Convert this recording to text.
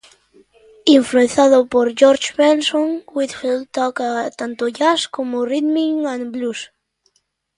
Influenciado por George Benson, Whitfield toca tanto jazz como rhythm and blues.